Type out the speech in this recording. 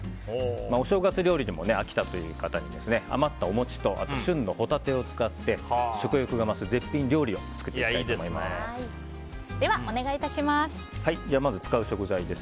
お正月料理も飽きたという方に余ったお餅と旬のホタテを使って食欲が増す絶品料理をでは、お願いいたします。